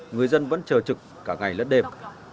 người dân vẫn chờ trực cả ngày lất đêm